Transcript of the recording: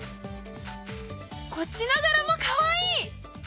こっちの柄もかわいい！